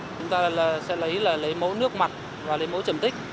chúng ta sẽ lấy là lấy mẫu nước mặt và lấy mẫu chẩm tích